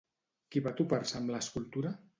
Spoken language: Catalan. Qui va topar-se amb l'escultura?